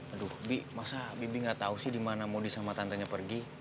aduh bi masa bibi gak tau sih di mana mondi sama tantenya pergi